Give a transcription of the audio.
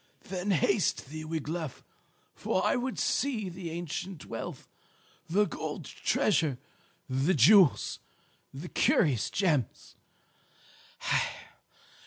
Then haste thee, Wiglaf, for I would see the ancient wealth, the gold treasure, the jewels, the curious gems.